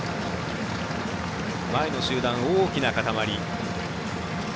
前の集団、大きな固まり。